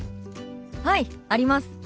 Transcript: はいあります。